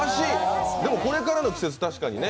でも、これからの季節確かにね。